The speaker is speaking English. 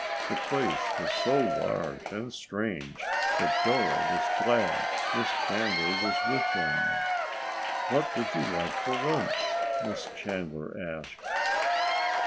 The place was so large and strange that Dora was glad Miss Chandler was with them. "What would you like for lunch?" Miss Chandler asked.